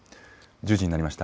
１０時になりました。